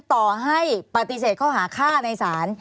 ต่อให้ปฏิเสธข้อหาฆ่าในศาล